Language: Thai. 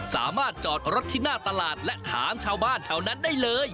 จอดรถที่หน้าตลาดและถามชาวบ้านแถวนั้นได้เลย